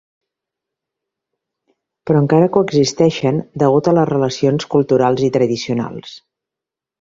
Però encara coexisteixen degut a les relacions culturals i tradicionals.